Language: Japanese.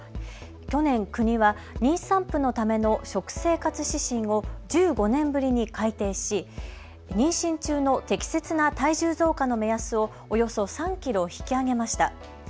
去年、国は妊産婦のための食生活指針を１５年ぶりに改定し妊娠中の適切な体重増加の目安をおよそ３キロ引き上げました。